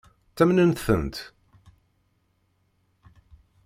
Ttamnent-tent?